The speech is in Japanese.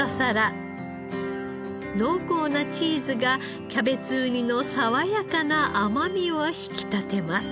濃厚なチーズがキャベツウニの爽やかな甘みを引き立てます。